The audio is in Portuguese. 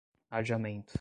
adiamento